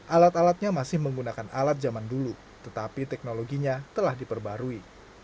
alat alatnya masih menggunakan alat zaman dulu tetapi teknologinya telah diperbarui